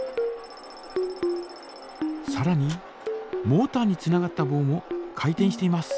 さらにモータにつながったぼうも回転しています。